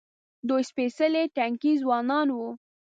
دوی سپېڅلي تنکي ځوانان وو.